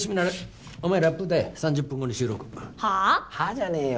じゃねえよ。